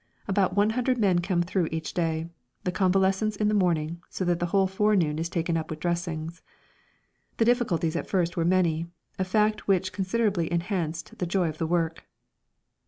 About 100 men come through each day the convalescents in the morning, so that the whole forenoon is taken up with dressings. The difficulties at first were many, a fact which considerably enhanced the joy of the work.